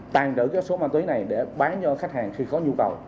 tàn đỡ cái số ma túy này để bán cho khách hàng khi có nhu cầu